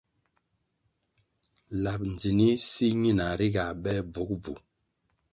Lab ndzinih si ñina ri ga bele bvugubvu.